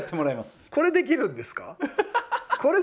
これこれできるんですか？